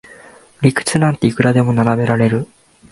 理屈なんていくらでも並べられる